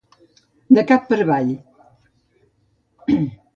De cap per avall.